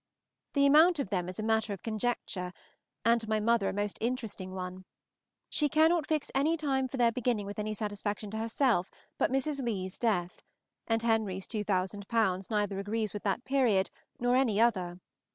The amount of them is a matter of conjecture, and to my mother a most interesting one; she cannot fix any time for their beginning with any satisfaction to herself but Mrs. Leigh's death, and Henry's two thousand pounds neither agrees with that period nor any other.